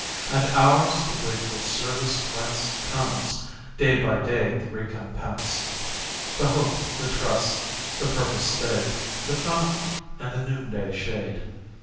And ours the grateful service whence Comes, day by day, the recompense; The hope, the trust, the purpose stayed, The fountain and the noonday shade.